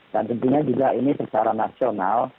dan tentunya juga ini secara nasional